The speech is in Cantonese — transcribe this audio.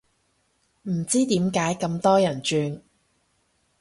唔知點解咁多人轉